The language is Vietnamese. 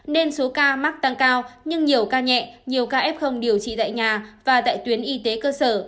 nên số ca mắc tăng cao nhưng nhiều ca nhẹ nhiều ca f điều trị tại nhà và tại tuyến y tế cơ sở